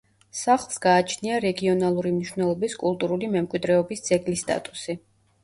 სახლს გააჩნია რეგიონალური მნიშვნელობის კულტურული მემკვიდრეობის ძეგლის სტატუსი.